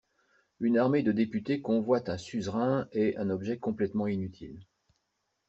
Une armée de députés convoitent un suzerain et un objet complètement inutile.